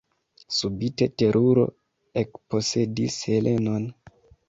Subite teruro ekposedis Helenon.